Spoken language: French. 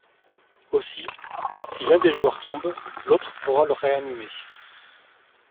Aussi, si l'un des joueurs tombe, l'autre pourra le réanimer.